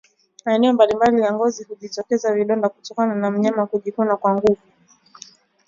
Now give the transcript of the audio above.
Maeneo mbalimbali ya ngozi hujitokeza vidonda kutokana na mnyama kujikuna kwa nguvu